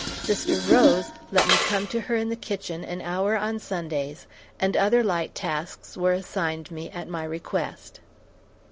Sister Rose let me come to her in the kitchen an hour on Sundays, and other light tasks were assigned me at my request.